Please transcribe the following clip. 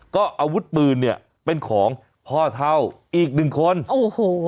ก็อาวุธปืนเนี่ยเป็นของพ่อเท่าอีกหนึ่งคนโอ้โห